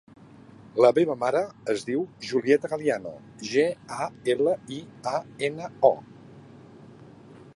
La meva mare es diu Julieta Galiano: ge, a, ela, i, a, ena, o.